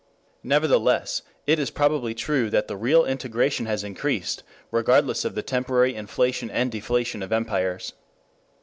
Nevertheless, it is probably true that the real integration has increased regardless of the temporary inflation and deflation of empires.